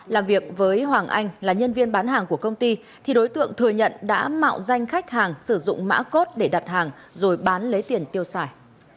làm việc với hoàng anh là nhân viên bán hàng của công ty thì đối tượng thừa nhận đã mạo danh khách hàng sử dụng mã cốt để đặt hàng rồi bán lấy tiền tiêu xài